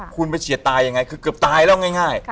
คุณไปเฉียดตายยังไงคือเกือบตายแล้วง่าย